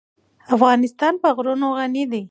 افغانستان په غرونه غني دی.